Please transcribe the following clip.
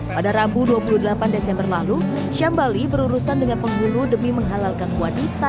pada rabu dua puluh delapan desember lalu syambali berurusan dengan penghulu demi menghalalkan wanita